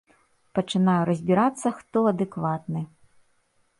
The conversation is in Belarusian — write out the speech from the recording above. Пачынаю разбірацца, хто адэкватны.